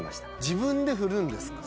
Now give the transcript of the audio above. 「自分で振るんですか？」